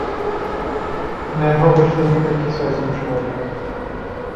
На яго выйшла некалькі соцень чалавек.